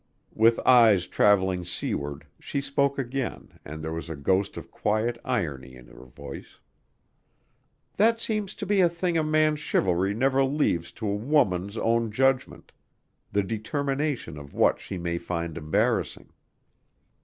With eyes traveling seaward she spoke again and there was a ghost of quiet irony in her voice. "That seems to be a thing a man's chivalry never leaves to a woman's own judgment; the determination of what she may find embarrassing."